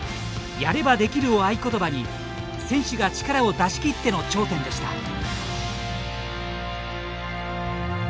「やれば出来る」を合言葉に選手が力を出し切っての頂点でした。